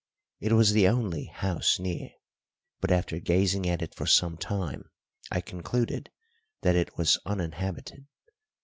It was the only house near, but after gazing at it for some time I concluded that it was uninhabited.